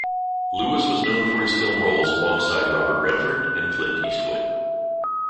Lewis was known for his film roles alongside Robert Redford and Clint Eastwood.